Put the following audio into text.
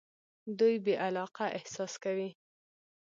دوی بې علاقه احساس کوي.